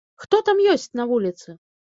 Хто там ёсць на вуліцы?